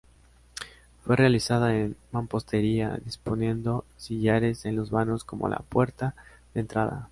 Fue realizada en mampostería, disponiendo sillares en los vanos como la puerta de entrada.